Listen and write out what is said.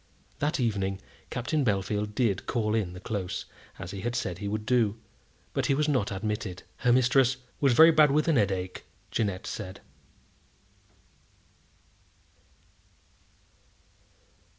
That evening Captain Bellfield did call in the Close, as he had said he would do, but he was not admitted. "Her mistress was very bad with a headache," Jeannette said.